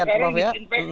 sampai ini dikintas